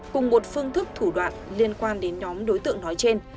cùng một phương thức thủ đoạn liên quan đến nhóm đối tượng nói trên